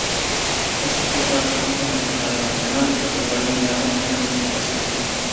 Eso puso al club en las finales nacionales, donde fue eliminado en ambas ocasiones.